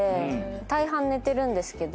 大半寝てるんですけど。